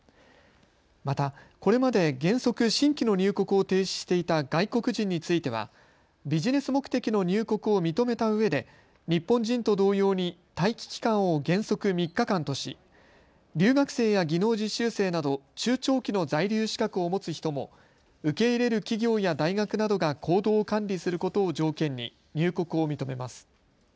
また、これまで原則、新規の入国を停止していた外国人についてはビジネス目的の入国を認めたうえで日本人と同様に待機期間を原則３日間とし、留学生や技能実習生など中長期の在留資格を持つ人も受け入れる企業や大学などが行動を管理することを条件に入国を認めます。